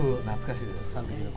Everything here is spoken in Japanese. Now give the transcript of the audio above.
懐かしいですね。